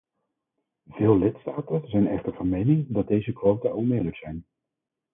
Veel lidstaten zijn echter van mening dat deze quota oneerlijk zijn.